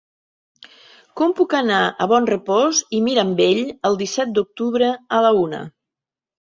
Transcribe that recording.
Com puc anar a Bonrepòs i Mirambell el disset d'octubre a la una?